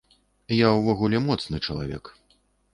Я ўвогуле моцны чалавек.